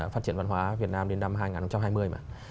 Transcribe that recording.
phát triển văn hóa việt nam đến năm hai nghìn hai mươi mà